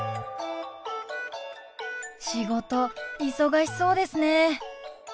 仕事忙しそうですね。